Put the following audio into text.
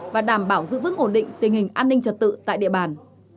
và đảm bảo giữ vững ổn định tình hình an ninh trật tự tại địa bàn